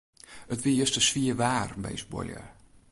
It wie juster swier waar by ús buorlju.